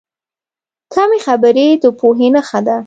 کمې خبرې، د پوهې نښه ده.